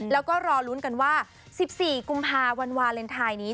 แล้วก็รอลุ้นกันว่า๑๔กุมภาวันวาเลนไทยนี้